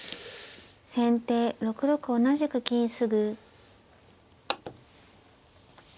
先手６六同じく金直。